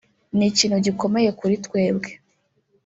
ni ikintu gikomeye kuri twebwe